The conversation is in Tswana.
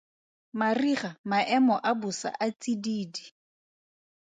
Mariga Maemo a bosa a tsididi.